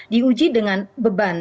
di uji dengan beban